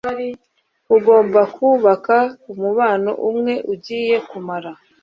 ugomba kubaka umubano, umwe ugiye kumara